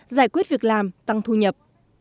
giải quyết việc làm tăng thu nhập